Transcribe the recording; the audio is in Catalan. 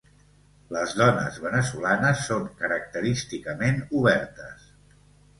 Les dones veneçolanes són característicament obertes.